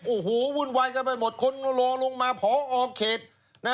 โอ้โหวุ่นวายกันไปหมดคนรอลงมาพอเขต